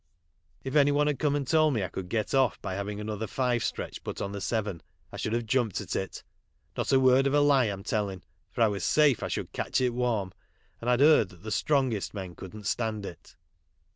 If anv one had come and told me I could cot off bv having another live stretch put on the seven I should have jumped at it. Not a word of a lie I'm telling, for I was safe I should catch it warm, and I'd heard that the strongest men couldn't stand it.